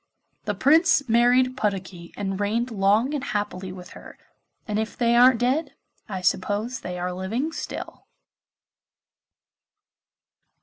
The Prince married Puddocky and reigned long and happily with her, and if they aren't dead I suppose they are living still.